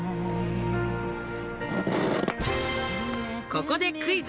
ここでクイズ